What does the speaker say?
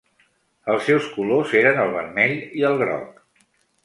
Els seus colors eren el vermell i el groc.